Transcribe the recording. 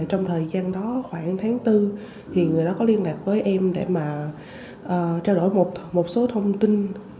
trong thời gian đó khoảng tháng bốn thì người đó có liên lạc với em để mà trao đổi một số thông tin